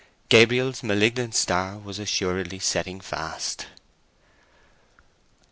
Gabriel's malignant star was assuredly setting fast.